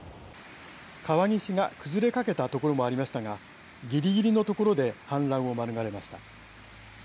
川岸が崩れかけた所もありましたがぎりぎりのところで氾濫を免れました。